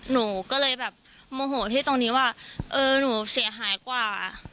หนูก็เลยแบบโมโหที่ตรงนี้ว่าเออหนูเสียหายกว่า